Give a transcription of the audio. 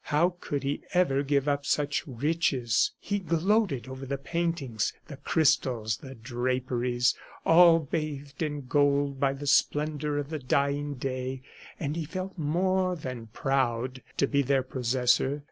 How could he ever give up such riches! ... He gloated over the paintings, the crystals, the draperies, all bathed in gold by the splendor of the dying day, and he felt more than proud to be their possessor.